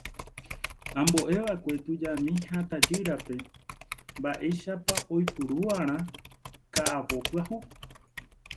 Ombo'eva'ekue tujami ha tajýrape mba'éichapa oipuru'arã ka'avo pyahu.